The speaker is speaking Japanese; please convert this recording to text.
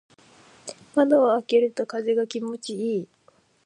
窓を開けると風が気持ちいい。